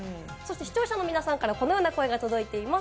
視聴者の皆さんからこのような声が届いています。